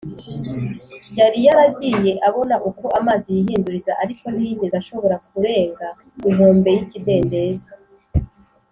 . Yari yaragiye abona uko amazi yihinduriza ariko ntiyigeze ashobora kurenga inkombe y’ikidendezi